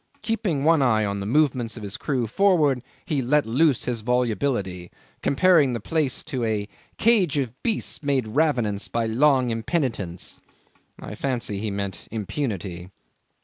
Keeping one eye on the movements of his crew forward, he let loose his volubility comparing the place to a "cage of beasts made ravenous by long impenitence." I fancy he meant impunity.